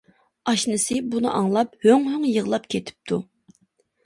ئاشنىسى بۇنى ئاڭلاپ ھۆڭ-ھۆڭ يىغلاپ كېتىپتۇ.